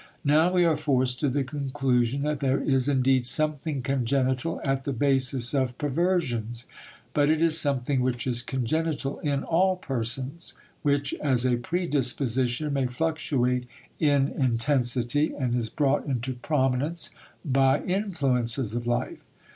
Now we are forced to the conclusion that there is indeed something congenital at the basis of perversions, but it is something which is congenital in all persons, which as a predisposition may fluctuate in intensity and is brought into prominence by influences of life.